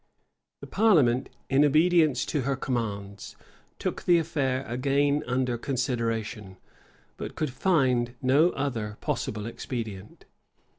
The parliament, in obedience to her commands, took the affair again under consideration; but could find no other possible expedient.